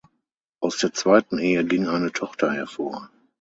Aus der zweiten Ehe ging eine Tochter hervor.